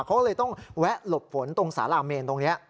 เขาก็เลยต้องแวะหลบฝนตรงสาราเมนตรงนี้